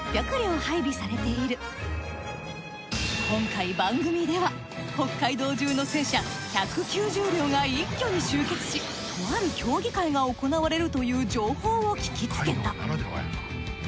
今回番組では北海道中の戦車１９０両が一挙に集結しとある競技会が行われるという情報を聞きつけた。